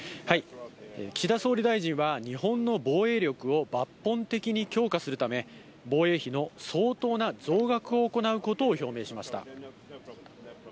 岸田総理大臣は日本の防衛力を抜本的に強化するため、防衛費の相当な増額を行うことを表明しました。